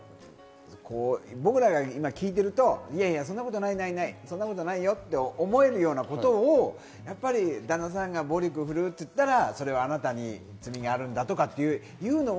僕らが今聞いてるといやいやそんなことないないそんなことないよって思えるようなことをやっぱり旦那さんが暴力振るうっていったら「それはあなたに罪があるんだ」とかっていうのを。